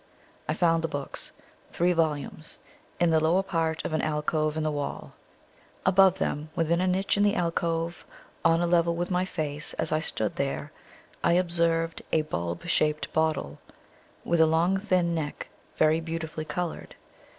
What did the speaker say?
I found the books three volumes in the lower part of an alcove in the wall; above them, within a niche in the alcove, on a level with my face as I stood there, I observed a bulb shaped bottle, with a long thin neck, very beautifully colored.